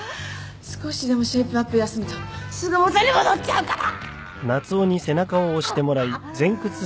少しでもシェイプアップ休むとすぐ元に戻っちゃうからあっ。